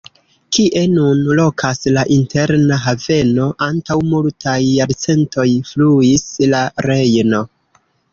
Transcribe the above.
Kie nun lokas la Interna Haveno, antaŭ multaj jarcentoj fluis la Rejno.